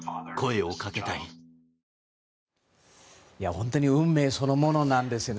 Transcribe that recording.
本当に運命そのものなんですね。